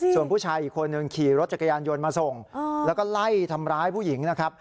ส่วนผู้ชายอีกคนหนึ่งขี่รถจักรยานยนต์มาส่งแล้วก็ไล่ทำร้ายผู้หญิงนะครับ